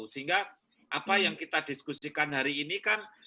sehingga apa yang kita diskusikan hari ini kan